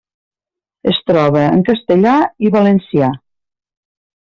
Es troba en castellà i valencià.